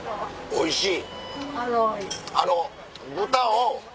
おいしい。